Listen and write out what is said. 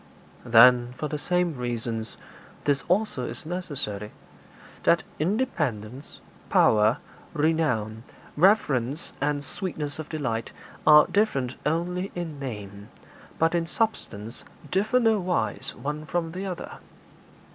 'Then, for the same reasons, this also is necessary that independence, power, renown, reverence, and sweetness of delight, are different only in name, but in substance differ no wise one from the other.'